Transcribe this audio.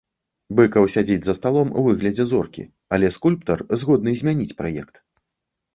Быкаў сядзіць за сталом у выглядзе зоркі, але скульптар згодны змяніць праект.